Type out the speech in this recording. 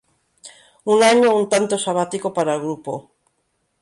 Un año un tanto sabático para el grupo.